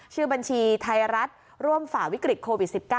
ชื่อบัญชีไทยรัฐร่วมฝ่าวิกฤตโควิด๑๙